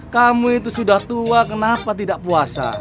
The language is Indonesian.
kamu itu sudah tua kenapa tidak puasa